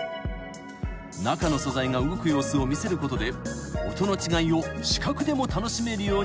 ［中の素材が動く様子を見せることで音の違いを視覚でも楽しめるようになっている］